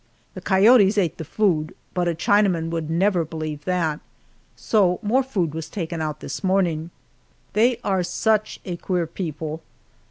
The coyotes ate the food, but a Chinaman would never believe that, so more food was taken out this morning. They are such a queer people!